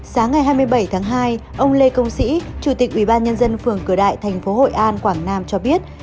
sáng ngày hai mươi bảy tháng hai ông lê công sĩ chủ tịch ubnd phường cửa đại thành phố hội an quảng nam cho biết